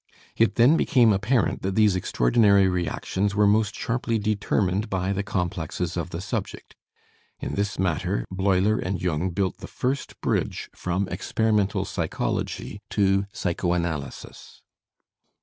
It then became apparent that these extraordinary reactions were most sharply determined by the complexes of the subject. In this matter Bleuler and Jung built the first bridge from experimental psychology to psychoanalysis.